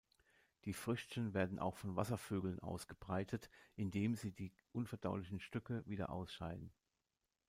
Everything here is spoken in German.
Die Früchtchen werden auch von Wasservögeln ausgebreitet, indem sie die unverdaulichen Stücke wieder ausscheiden.